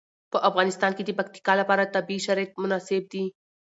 په افغانستان کې د پکتیکا لپاره طبیعي شرایط مناسب دي.